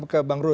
ke bang ruh